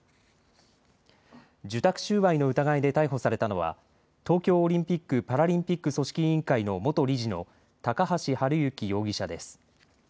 受託収賄の疑いで逮捕されたのは東京オリンピック・パラリンピック組織委員会の元理事の高橋治之容疑者です。